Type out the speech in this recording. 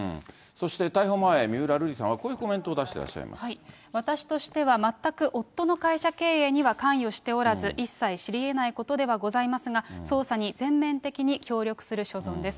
そして逮捕前、三浦瑠麗さんはこういうコメントを出してらっ私としては、全く夫の会社経営には関与しておらず、一切知りえないことではございますが、捜査に全面的に協力する所存です。